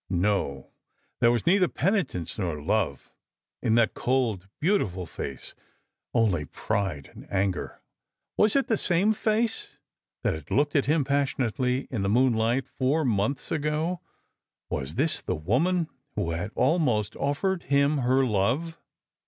No, there was neither penitence nor love in that cold beautiful face, only pride and anger. Waa Strangers and Pilgrims. 211 it tlie same face that had looked at him passionately in the moonlight four months ago ? Was this the woman who had almost oflfered him her love